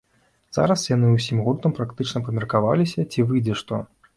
Зараз яны ўсім гуртам практычна памеркаваліся, ці выйдзе што.